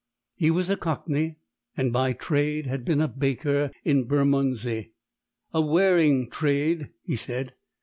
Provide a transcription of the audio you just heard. He was a Cockney, and by trade had been a baker in Bermondsey. "A wearing trade," he said.